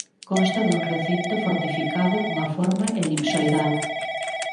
Consta dun recinto fortificado cunha forma elipsoidal.